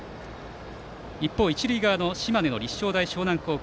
一方、一塁側の島根の立正大淞南高校。